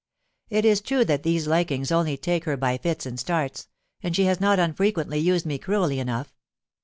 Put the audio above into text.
It is true that these likings only take her by fits and starts—and she has not unfrequently used me cruelly enough.